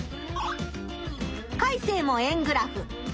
カイセイも円グラフ。